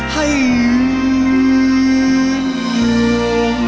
ให้อื้นลง